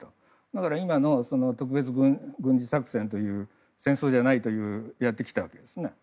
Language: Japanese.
だから特別軍事作戦という戦争じゃないということでやってきたんですね。